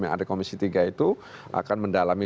yang ada komisi tiga itu akan mendalami